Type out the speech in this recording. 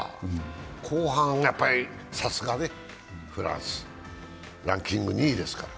後半、やっぱりさすがフランス、ランキング２位ですから。